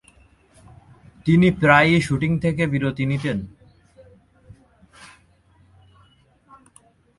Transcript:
তিনি প্রায়ই শুটিং থেকে বিরতি নিতেন।